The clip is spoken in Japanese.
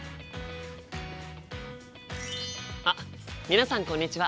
あっ皆さんこんにちは！